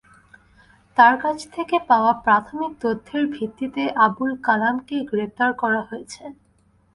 তাঁর কাছ থেকে পাওয়া প্রাথমিক তথ্যের ভিত্তিতে আবুল কালামকে গ্রেপ্তার করা হয়েছে।